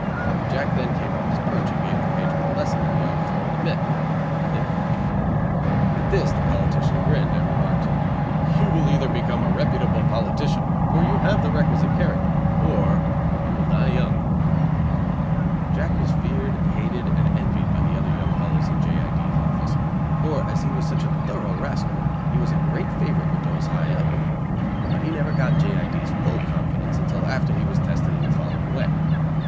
Jack then came off his perch and gave his patron a lesson in the art of throwing the mit (dipping). At this the politician grinned, and remarked: "You will either become a reputable politician, for you have the requisite character, or you will die young." Jack was feared, hated and envied by the other young fellows in J. I. D.'s office, for as he was such a thorough rascal, he was a great favorite with those high up. But he never got J. I. D.'s full confidence until after he was tested in the following way.